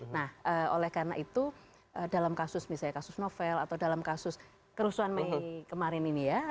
nah oleh karena itu dalam kasus misalnya kasus novel atau dalam kasus kerusuhan mei kemarin ini ya